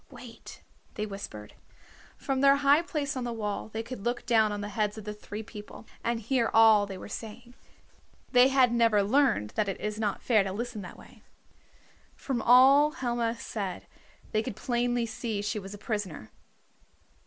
"Wait," they whispered. From their high place on the wall they could look down on the heads of the three people, and hear all they were saying. They had never learned that it is not fair to listen that way. From all Helma said they could plainly see she was a prisoner.